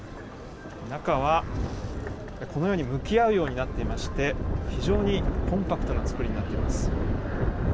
中はこのように向き合うようになってまして、非常にコンパクトな作りになっています。